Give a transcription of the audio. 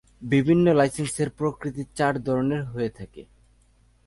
বিভিন্ন লাইসেন্সের প্রকৃতি চার ধরনের হয়ে থাকে।